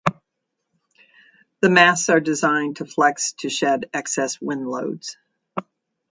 The masts are designed to flex to shed excess wind loads.